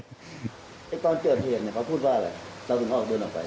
ตอนเจอเหตุเนี่ยเขาพูดว่าอะไรแล้วถึงเขาออกเดินออกไป